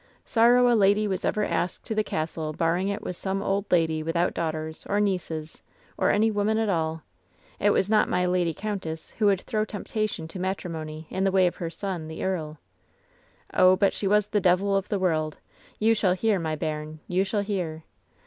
Sorrow a lady was ever asked to the castle barring it was some old lady without daughters, or nieces, or any women at all. It was not my lady countess who would throw temptation to matrimony in the way of her son, the earl. "Oh, but she was the devil of the world. You shall hear, my bairn. You shall hear.